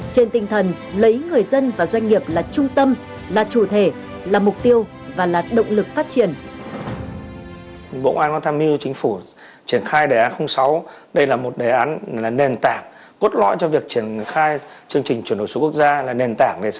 trên tinh thần lấy người dân và doanh nghiệp là trung tâm là chủ thể là mục tiêu và là động lực phát triển